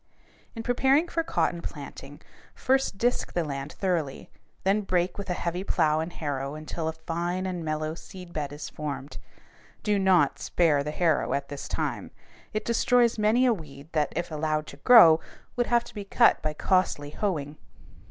In preparing for cotton planting, first disk the land thoroughly, then break with a heavy plow and harrow until a fine and mellow seed bed is formed. Do not spare the harrow at this time. It destroys many a weed that, if allowed to grow, would have to be cut by costly hoeing.